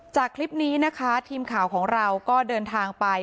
จากคลิปนี้นะคะทีมข่าวของเราก็เดินทางไป